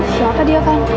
siapa dia kan